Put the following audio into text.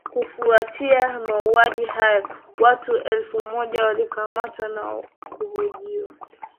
Kufuatia mauaji hayo watu elfu moja walikamatwa na kuhojiwa